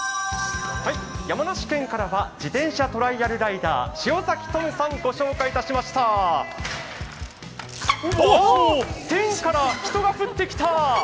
山梨県からは自転車トライアルライダー、塩崎太夢さん、ご紹介いたしました天から人が降ってきたぁ！